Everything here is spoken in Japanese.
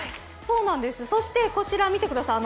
そして、こちらを見てください。